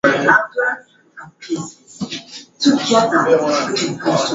hatustahili kuwapa wananchi wetu serikali ya kiwango kidogo